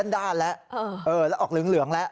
ด้านแล้วแล้วออกเหลืองแล้ว